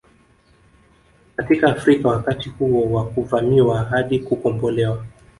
Katika Afrika wakati huo wa kuvamiwa hadi kukombolewa